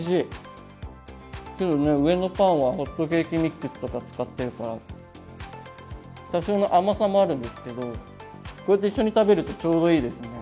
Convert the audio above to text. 上のパンはホットケーキミックスとか使ってるから多少の甘さもあるんですけどこうやって一緒に食べるとちょうどいいですね。